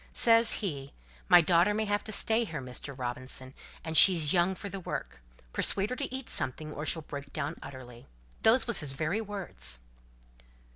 Says he, 'My daughter may have to stay here, Mr. Robinson, and she's young for the work. Persuade her to eat something, or she'll break down utterly.' Those was his very words."